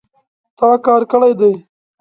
تا کار کړی دی